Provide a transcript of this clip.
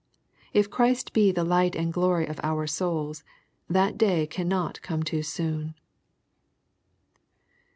If Christ be the light and glory of our souls, that day cannot come too soon.